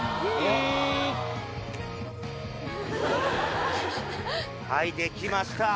んーっはいできました